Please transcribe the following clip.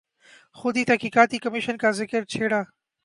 خود ہی تحقیقاتی کمیشن کا ذکر چھیڑا۔